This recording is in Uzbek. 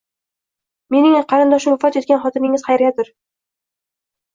Mening qarindoshim vafot etgan xotiningiz Xayriyadir.